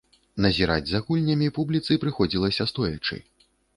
Назіраць за гульнямі публіцы прыходзілася стоячы.